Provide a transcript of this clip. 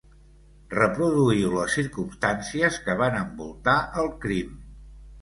Reproduïu les circumstàncies que van envoltar el crim.